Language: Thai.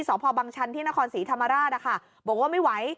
สพบังชันที่นครศรีธรรมราชนะคะบอกว่าไม่ไหว